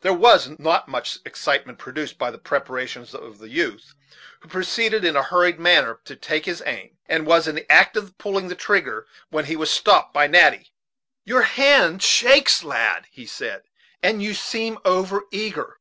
There was not much excitement produced by the preparations of the youth, who proceeded in a hurried manner to take his aim, and was in the act of pulling the trigger, when he was stopped by Natty. "Your hand shakes, lad," he said, "and you seem over eager.